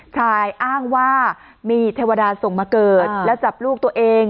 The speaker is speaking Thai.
อ้างว่ามีเทวดาส่งมาเกิดแล้วจับลูกตัวเอง